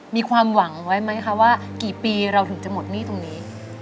มีความหวังไว้ไหมคะว่ากี่ปีเราถึงจะหมดหนี้ตรงนี้